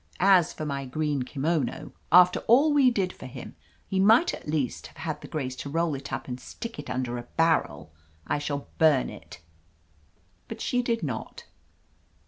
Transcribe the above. As for my green kimono, after all we did for him, he might at least have had the grace to roll it up and stick it imder a barrel. I shall bum it." But she did not.